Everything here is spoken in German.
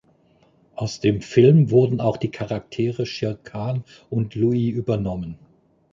Aus dem Film wurden auch die Charaktere "Shir Khan" und "Louie" übernommen.